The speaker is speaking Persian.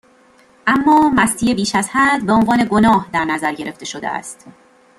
اما مستی بیشازحد، بهعنوان گناه در نظر گرفته شده است